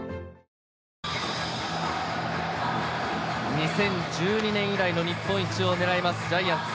２０１２年以来の日本一をねらいますジャイアンツ。